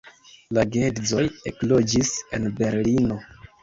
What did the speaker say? La geedzoj ekloĝis en Berlino.